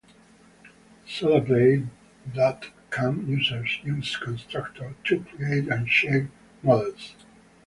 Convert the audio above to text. Sodaplay dot com users use constructor to create and share "models".